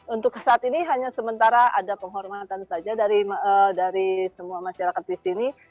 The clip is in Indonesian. untuk saat ini hanya sementara ada penghormatan saja dari semua masyarakat di sini